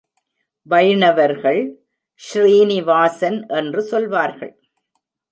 வைணவர்கள் Srinivasan என்று சொல்வார்கள்.